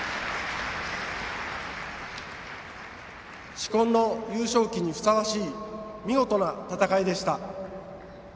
紫紺の優勝旗にふさわしい見事な戦いでした。